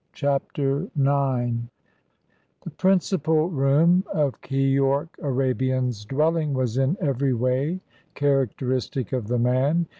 CHAPTER IX The principal room of Keyork Arabian's dwelling was in every way characteristic of the man.